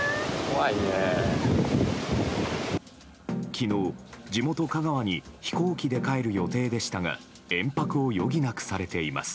昨日、地元・香川に飛行機で帰る予定でしたが延泊を余儀なくされています。